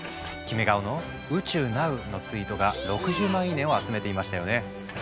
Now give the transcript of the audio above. キメ顔の「宇宙なう」のツイートが６０万いいねを集めていましたよね。